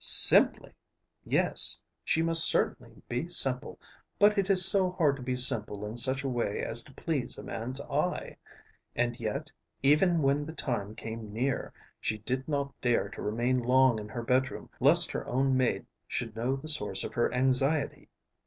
Simply! Yes; she must certainly be simple. But it is so hard to be simple in such a way as to please a man's eye. And yet, even when the time came near, she did not dare to remain long in her bedroom lest her own maid should know the source of her anxiety.